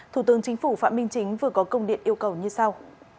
thủ tướng chính phủ phạm minh chính vừa có công điện yêu cầu như sau